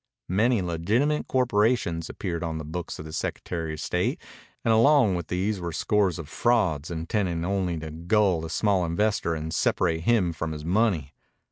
Many legitimate incorporations appeared on the books of the Secretary of State, and along with these were scores of frauds intended only to gull the small investor and separate him from his money.